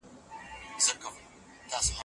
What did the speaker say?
تاسې باید له ځان سره اوبه ولرئ.